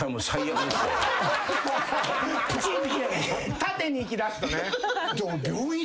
縦にいきだすとね。